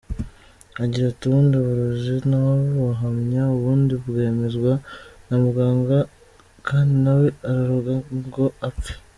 Agira ati "Ubundi uburozi ntawabuhamya ubundi bwemezwa na muganga kandi ntawe araroga ngo apfe.